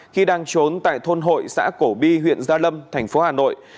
khi đang trốn tại thôn hội xã cổ bi huyện gia lâm thành phố hà nội